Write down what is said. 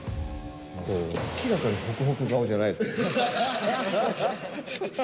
明らかにほくほく顔じゃないですよ。